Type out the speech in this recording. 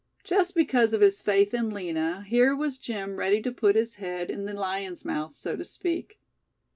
Just because of his faith in Lina, here was Jim ready to put his head in the lion's mouth, so to speak.